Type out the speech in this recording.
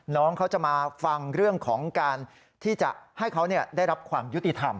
น้องเขาจะมาฟังเรื่องของการที่จะให้เขาได้รับความยุติธรรม